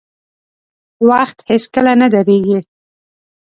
• وخت هیڅکله نه درېږي.